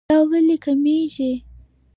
دا ولې کميږي